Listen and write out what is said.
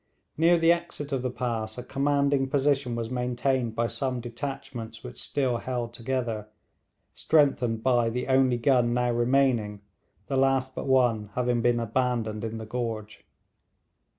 Near the exit of the pass a commanding position was maintained by some detachments which still held together, strengthened by the only gun now remaining, the last but one having been abandoned in the gorge.